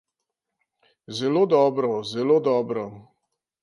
Zelo dobro, zelo dobro.